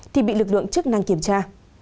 thì bị lực lượng chức năng kiểm tra